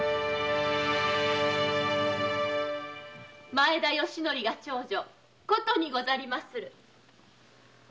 前田吉徳が長女琴にござりまする。